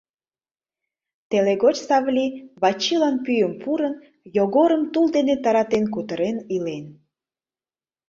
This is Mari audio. Теле гоч Савли, Вачилан пӱйым пурын, Йогорым тул дене таратен кутырен илен.